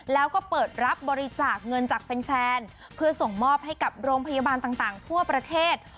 แล้วก็เปิดรับบริจาคเงินจากแฟนเพื่อส่งมอบให้กับโรงพยาบาลต่างทั่วประเทศ